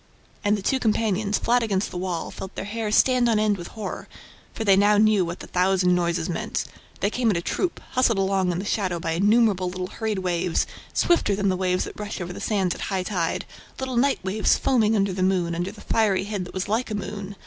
... And the two companions, flat against their wall, felt their hair stand on end with horror, for they now knew what the thousand noises meant. They came in a troop, hustled along in the shadow by innumerable little hurried waves, swifter than the waves that rush over the sands at high tide, little night waves foaming under the moon, under the fiery head that was like a moon.